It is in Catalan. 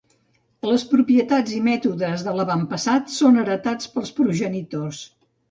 Les propietats i mètodes de l'avantpassat són heretats pels progenitors.